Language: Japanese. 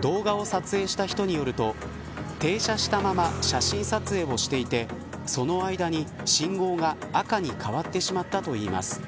動画を撮影した人によると停車したまま写真撮影をしていてその間に信号が赤に変わってしまったといいます。